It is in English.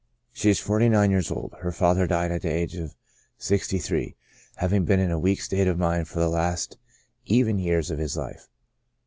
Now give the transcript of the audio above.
She is forty nine years old ; her father died at the age of sixty three, having been in a weak state of mind for the last even years of his life.